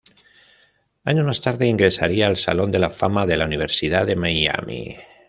Años más tarde ingresaría al Salón de la Fama de la Universidad de Miami.